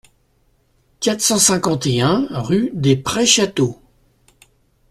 quatre cent cinquante et un rue des Prés Château